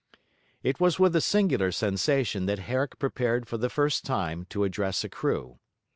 It was with a singular sensation that Herrick prepared for the first time to address a crew.